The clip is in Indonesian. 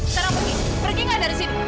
sekarang pergi pergi nggak dari sini